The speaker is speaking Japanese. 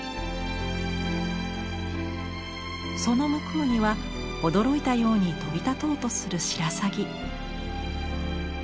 その向こうには驚いたように飛び立とうとするシラサギ。